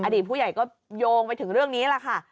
อดีตผู้ใหญ่ก็โยงไปถึงเรื่องนี้แหละค่ะ